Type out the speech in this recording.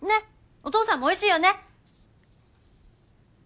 お父さんもおいしいよね？